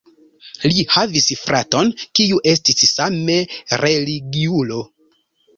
Li havis fraton, kiu estis same religiulo.